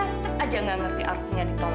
tetep aja gak ngerti artinya ditolak